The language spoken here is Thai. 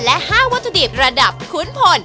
และ๕วัตถุดิบระดับขุนพล